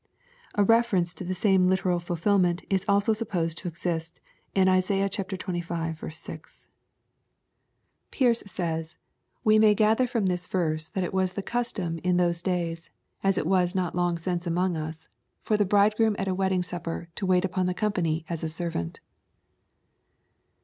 A refer ence to the same literal fiilfilment is also supposed to ezi^^t iv Isaiah xxv. 6. LUKE, CHAP, Xir. 89 Pearce says, ' We may gather from this verse that it was the tastom in those lays, as it was not long since among us, for the bridegroom at a wedding supper to wait upon the company as a servant."